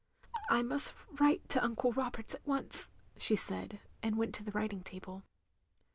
"I must write to Uncle Roberts at once," she said, and went to the writing table.